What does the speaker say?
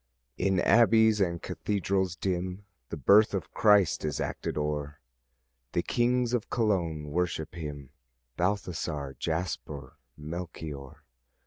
In abbeys and cathedrals dim The birth of Christ is acted o'er; The kings of Cologne worship him, Balthazar, Jasper, Melchior.